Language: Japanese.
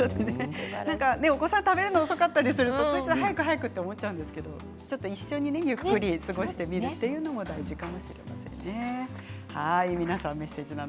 お子さん、食べるの遅かったりすると早く！と思っちゃうんですけど一緒にゆっくり過ごしてみるというのもいいかもしれませんね。